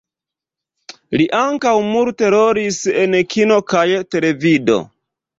Li ankaŭ multe rolis en kino kaj televido.